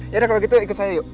yaudah kalau gitu ikut saya yuk